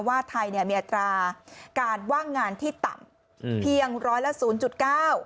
ว่าไทยมีอัตราการว่างงานที่ต่ำเพียงร้อยละ๐๙